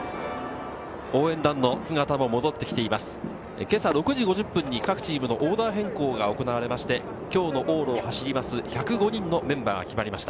今朝６時５０分に各チームのオーダー変更が行われまして、今日の往路を走ります１０５人のメンバーが決まりました。